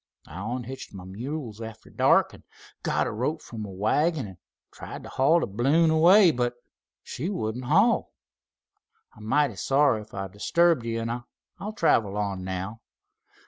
I onhitched my mules arter dark, an' got a rope from my wagon, an' tried t' haul th' balloon away. But she wouldn't haul. I'm mighty sorry if I disturbed ye' an' I'll travel on now.